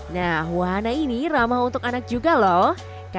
nah wahana ini ramah untuk anak juga loh